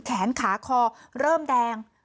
แขนขาคอเริ่มแดง